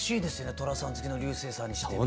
寅さん好きの彩青さんにしてみたら。